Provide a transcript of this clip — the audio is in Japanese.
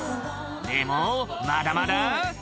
「でもまだまだ」